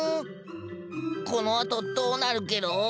このあとどうなるゲロ？